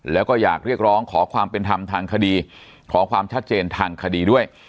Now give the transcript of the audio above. แล้วก็อยากเรียกร้องขอความเป็นธรรมทางคดีขอความชัดเจนทางคดีด้วย